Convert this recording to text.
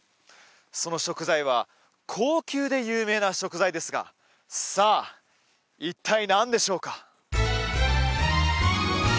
その食材は高級で有名な食材ですがさあ一体何でしょうか？